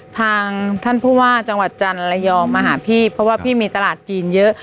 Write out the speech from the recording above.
ทางท่านผู้ว่าจังหวัดจันทร์ระยองมาหาพี่เพราะว่าพี่มีตลาดจีนเยอะ